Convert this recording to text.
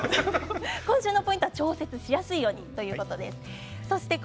今週のポイントは調節しやすいようにということです。